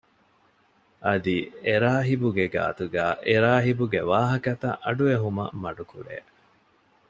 އަދި އެރާހިބުގެ ގާތުގައި އެރާހިބުގެ ވާހަކަތައް އަޑުއެހުމަށް މަޑުކުރޭ